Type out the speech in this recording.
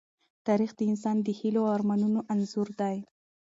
تاریخ د انسان د هيلو او ارمانونو انځور دی.